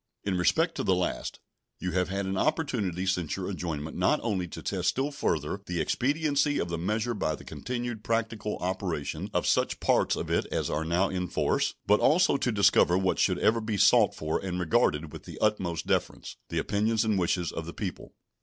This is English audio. In respect to the last, you have had an opportunity since your adjournment not only to test still further the expediency of the measure by the continued practical operation of such parts of it as are now in force, but also to discover what should ever be sought for and regarded with the utmost deference the opinions and wishes of the people.